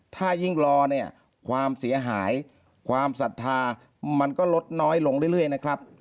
ถ้ายิ่งรอเนี่ยความเสียหายความศรัทธามันก็ลดน้อยลงเรื่อยนะครับ